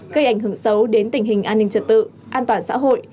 gây ảnh hưởng xấu đến tình hình an ninh trật tự an toàn xã hội